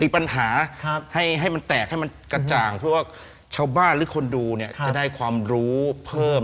เพราะว่าชาวบ้านหรือคนดูเนี่ยจะได้ความรู้เพิ่ม